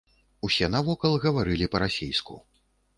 Усе навокал гаварылі па-расейску.